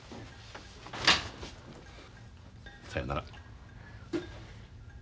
さよなら。